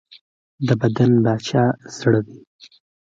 د بدن باچا زړه دی.